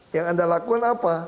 yang anda lakukan apa